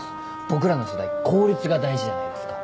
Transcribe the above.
僕らの世代効率が大事じゃないですか。